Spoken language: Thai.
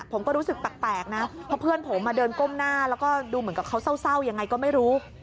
ผมก็รู้สึกแปลกนะเพราะเพื่อนผมมาเดินก้มหน้าแล้วก็ดูเหมือนกับเขาเศร้ายังไงก็ไม่รู้